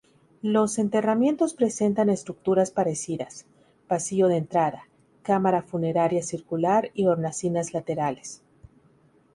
Los enterramientos presentan estructuras parecidas: pasillo de entrada, cámara funeraria circular y hornacinas laterales.